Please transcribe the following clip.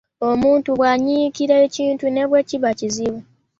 Omuntu bwanyikkira ekintu ne bwekiba kizibu .